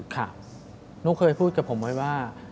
ค่ะนุ๊กเคยพูดกับผมไว้ว่า